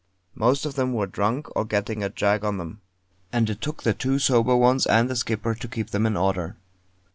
Most of them were drunk or getting a jag on them; and it took the two sober ones and the Skipper to keep them in order.